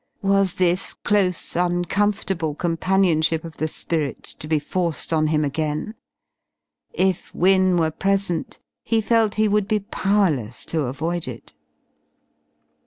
Was this close, uncomfortable companionship of the spirit to be forced on him again? If Wynne were present he felt he would be powerless to avoid it.